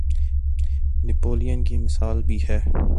نپولین کی مثال بھی ہے۔